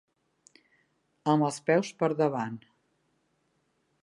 Amb els peus per davant.